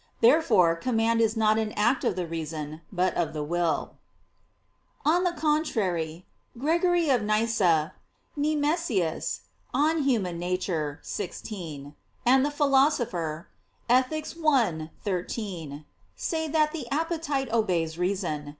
Therefore command is not an act of the reason, but of the will. On the contrary, Gregory of Nyssa [*Nemesius, De Nat. Hom. xvi.] and the Philosopher (Ethic. i, 13) say that "the appetite obeys reason."